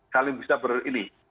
kalian bisa berini